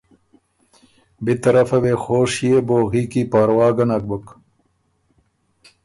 بی طرفه وې خوشيې بوغي کی پاروا ګۀ نک بُک